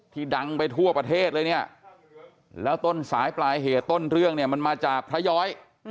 ดังไปทั่วประเทศเลยเนี่ยแล้วต้นสายปลายเหตุต้นเรื่องเนี่ยมันมาจากพระย้อย